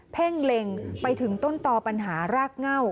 เพ่งเล็งไปถึงต้นตอปัญหารากเง่า